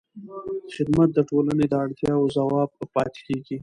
خدمت د ټولنې د اړتیاوو ځواب پاتې کېږي.